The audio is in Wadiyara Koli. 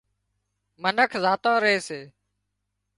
منک زاتان ري سي